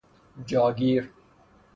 جا گیر